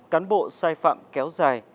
cán bộ sai phạm kéo dài